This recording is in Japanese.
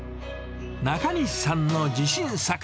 中西さんの自信作。